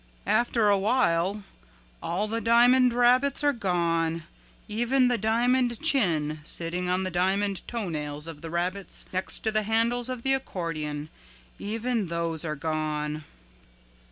After a while all the diamond rabbits are gone, even the diamond chin sitting on the diamond toenails of the rabbits next to the handles of the accordion, even those are gone."